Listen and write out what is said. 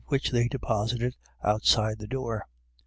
85 which they deposited outside the door.